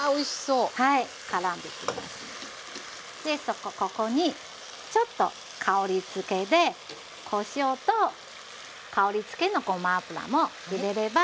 でここにちょっと香りづけでこしょうと香りづけのごま油も入れれば完成です。